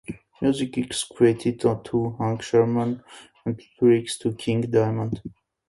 Music is credited to Hank Shermann and lyrics to King Diamond.